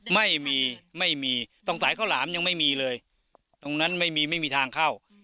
ไม่มีไม่มีตรงสายข้าวหลามยังไม่มีเลยตรงนั้นไม่มีไม่มีทางเข้า